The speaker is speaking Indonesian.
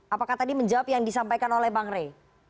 apakah tadi menjawab yang disampaikan oleh bang rey